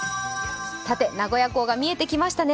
名古屋港が見えてきましたね。